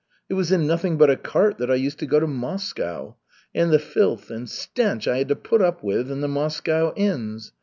It was in nothing but a cart that I used to go to Moscow. And the filth and stench I had to put up with in the Moscow inns!